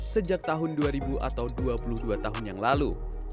sejak tahun dua ribu atau dua puluh dua tahun yang lalu